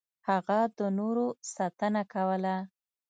هغه د نورو ساتنه کوله.